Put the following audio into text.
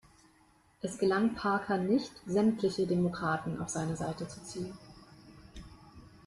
Es gelang Parker nicht, sämtliche Demokraten auf seine Seite zu ziehen.